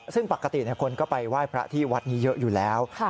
ซึ่งปกติคนก็ไปไหว้พระที่วัดนี้เยอะอยู่แล้ว